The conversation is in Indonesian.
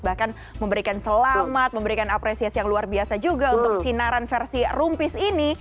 bahkan memberikan selamat memberikan apresiasi yang luar biasa juga untuk sinaran versi rumpis ini